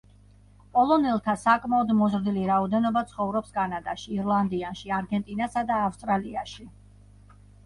პოლონელთა საკმაოდ მოზრდილი რაოდენობა ცხოვრობს კანადაში, ირლანდიაში, არგენტინასა და ავსტრალიაში.